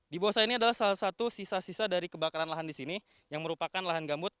di bawah saya ini adalah salah satu sisa sisa dari kebakaran lahan di sini yang merupakan lahan gambut